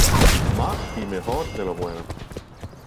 Más y Mejor de lo Bueno.